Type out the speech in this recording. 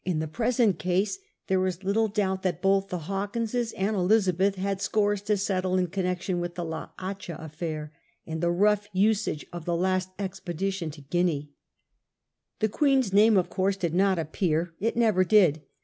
In the present case there is little doubt that both the Hawkinses and Elizabeth had scores to settle in connection with the La Hacha affair, and the rough usage of the last expedition to Guinea. The Queen's name, of course, did not appear. It never did.